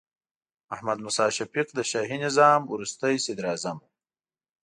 محمد موسی شفیق د شاهي نظام وروستې صدراعظم و.